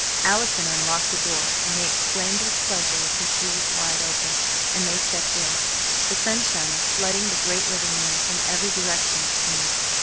Allison unlocked the door, and they exclaimed with pleasure as he threw it wide open and they stepped in. The sunshine was flooding the great living room from every direction, it seemed.